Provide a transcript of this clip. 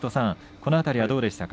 この辺りはどうですか。